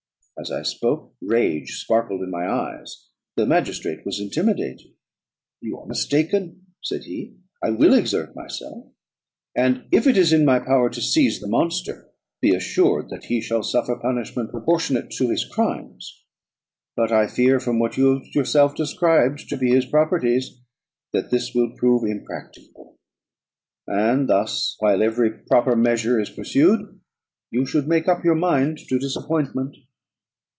As I spoke, rage sparkled in my eyes; the magistrate was intimidated: "You are mistaken," said he, "I will exert myself; and if it is in my power to seize the monster, be assured that he shall suffer punishment proportionate to his crimes. But I fear, from what you have yourself described to be his properties, that this will prove impracticable; and thus, while every proper measure is pursued, you should make up your mind to disappointment."